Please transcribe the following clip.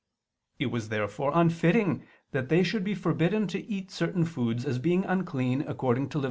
It was therefore unfitting that they should be forbidden to eat certain foods, as being unclean according to Lev.